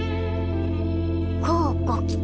こうご期待！